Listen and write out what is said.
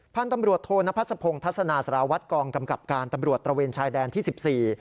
พ่านตำรวจโทนพัศพงศ์ทัศนาสราวัดกองกำกับการตำรวจตระเวนชายแดนที่๑๔